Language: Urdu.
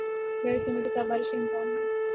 گرج چمک کے ساتھ بارش کا امکان ہے